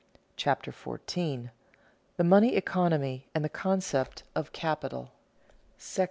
CHAPTER 14 THE MONEY ECONOMY AND THE CONCEPT OF CAPITAL § I.